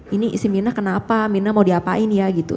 ini isi mina kenapa mina mau diapain ya gitu